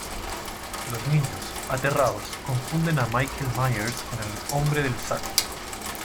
Los niños, aterrados, confunden a Michael Myers con el hombre del saco.